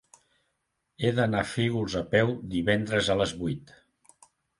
He d'anar a Fígols a peu divendres a les vuit.